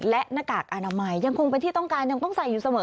และหน้ากากอนามัยยังคงเป็นที่ต้องการยังต้องใส่อยู่เสมอ